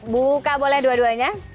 buka boleh dua duanya